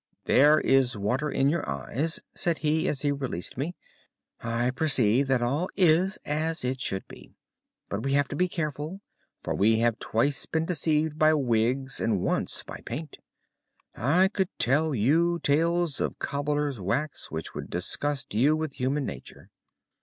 'There is water in your eyes,' said he as he released me. 'I perceive that all is as it should be. But we have to be careful, for we have twice been deceived by wigs and once by paint. I could tell you tales of cobbler's wax which would disgust you with human nature.